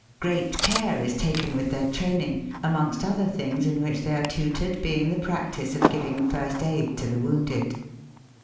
Great care is taken with their training, amongst other things in which they are tutored being the practice of giving first aid to the wounded.